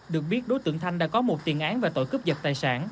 được biết đối tượng thanh đã có một tiền án về tội cướp giật tài sản